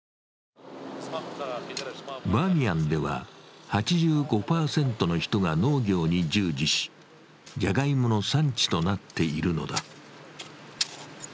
バーミヤンでは８５％の人が農業に従事しじゃがいもの産地となっているのだ。